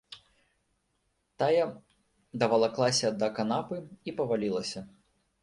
Тая давалаклася да канапы і павалілася.